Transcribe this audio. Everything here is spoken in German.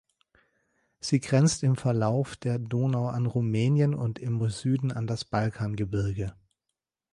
Sie grenzt im Verlauf der Donau an Rumänien und im Süden an das Balkangebirge.